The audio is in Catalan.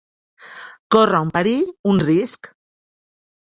Córrer un perill, un risc.